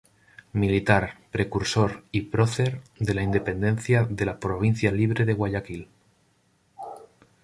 Militar, precursor y prócer de la independencia de la Provincia Libre de Guayaquil.